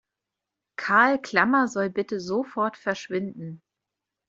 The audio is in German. Karl Klammer soll bitte sofort verschwinden!